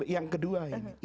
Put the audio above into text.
yang kedua ini